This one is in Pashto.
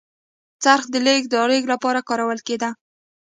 څرخ د لېږد رالېږد لپاره کارول کېده.